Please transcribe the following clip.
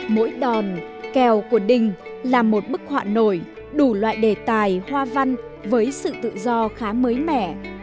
mỗi đòn kèo của đình là một bức họa nổi đủ loại đề tài hoa văn với sự tự do khá mới mẻ